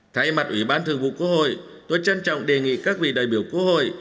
thay mặt ủy ban thường vụ quốc hội tôi trân trọng đề nghị các vị đại biểu quốc hội